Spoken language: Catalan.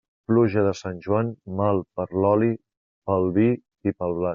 Pluja de Sant Joan, mal per l'oli, pel vi i pel blat.